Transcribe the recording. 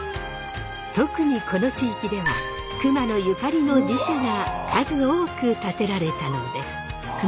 特にこの地域では熊野ゆかりの寺社が数多く建てられたのです。